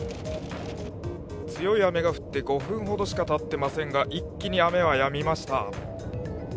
強い雨が降って５分ほどしかたっていませんが一気に雨はやみました。